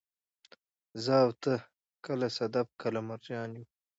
زه او ته، کله صدف، کله مرجان يو